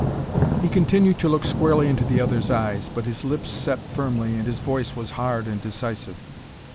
He continued to look squarely into the other's eyes, but his lips set firmly, and his voice was hard and decisive.